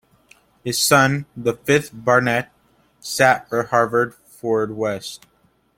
His son, the fifth Baronet, sat for Haverfordwest.